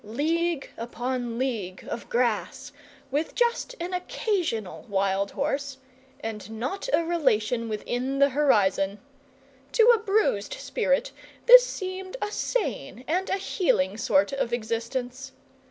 League upon league of grass, with just an occasional wild horse, and not a relation within the horizon! To a bruised spirit this seemed a sane and a healing sort of existence.